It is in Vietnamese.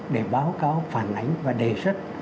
để báo cáo phản ánh và đề xuất